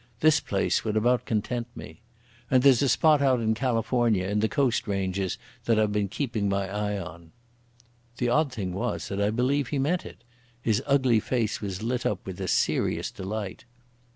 This place would about content me. And there's a spot out in California in the Coast ranges that I've been keeping my eye on." The odd thing was that I believe he meant it. His ugly face was lit up with a serious delight.